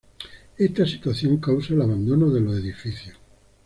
Esta situación causa el abandono de los edificios.